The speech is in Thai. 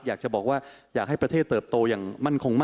อยากจะบอกว่าอยากให้ประเทศเติบโตอย่างมั่นคงมาก